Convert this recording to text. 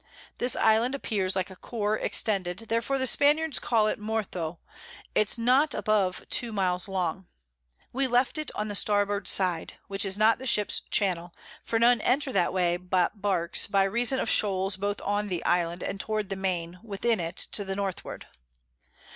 This Island appears like a Corps extended, therefore the Spaniards call it Mortho; it's not above two Miles long: We left it on the Starboard side, which is not the Ships Channel; for none enter that way but Barks, by reason of Shoals both on the Island and towards the Main, within it, to the Northward.